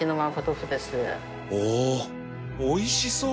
おおおいしそう！